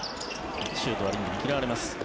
シュートはリングに嫌われます。